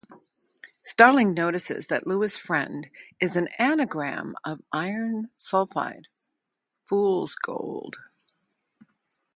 Starling notices that "Louis Friend" is an anagram of "iron sulfide" - fool's gold.